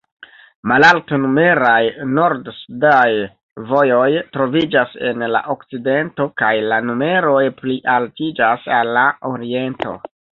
Malalt-numeraj nord-sudaj vojoj troviĝas en la okcidento, kaj la numeroj plialtiĝas al la oriento.